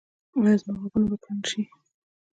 ایا زما غوږونه به کڼ شي؟